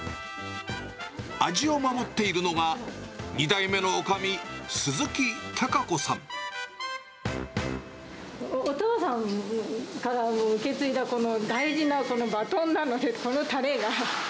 味を守っているのが、２代目のおかみ、お父さんから受け継いだ、この大事なバトンなので、このたれが。